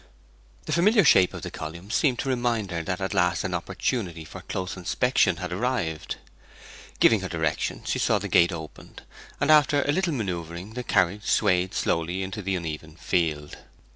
The familiar shape of the column seemed to remind her that at last an opportunity for a close inspection had arrived. Giving her directions she saw the gate opened, and after a little manoeuvring the carriage swayed slowly into the uneven field.